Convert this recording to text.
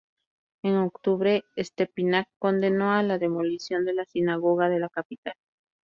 En octubre Stepinac condenó la demolición de la sinagoga de la capital.